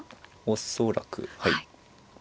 恐らくはい。